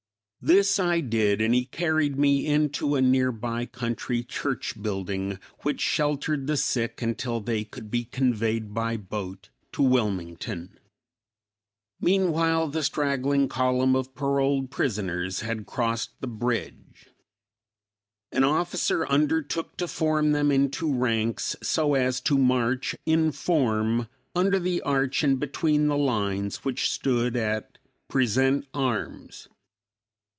This I did and he carried me into a near by country church building which sheltered the sick until they could be conveyed by boat to Wilmington. Meanwhile the straggling column of paroled prisoners had crossed the bridge. An officer undertook to form them into ranks so as to march in form under the arch and between the lines which stood at "Present arms."